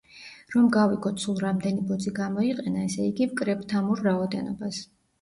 რომ გავიგოთ სულ რამდენი ბოძი გამოიყენა, ესე იგი, ვკრებთ ამ ორ რაოდენობას.